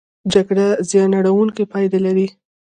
جګړه زیان اړوونکې پایلې لري.